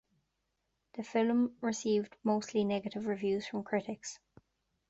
The film received mostly negative reviews from critics.